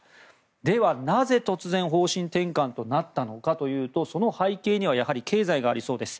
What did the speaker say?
では、なぜ突然方針転換となったのかというとその背景にはやはり経済がありそうです。